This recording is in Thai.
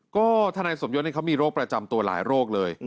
ก็ทนายสมยศเขามีโรคประจำตัวหลายโรคเลย